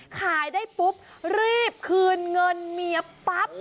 ขายได้ปุ๊บรีบคืนเงินเมียปั๊บ